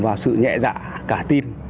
vào sự nhẹ dạ cả tin